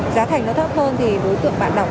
giá thành nó thấp hơn thì đối tượng bạn đọc